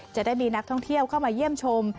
จะได้มีนักท่องเที่ยวเข้ามาเยี่ยมชม